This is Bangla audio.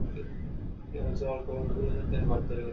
তিনি বলছিলেন, অল্প বয়স্ক পুরুষদের জন্য তিনি ঘর তৈরি করছিলেন।